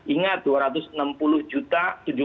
ingat dua ratus enam puluh juta